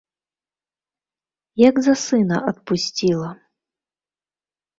Як за сына, адпусціла.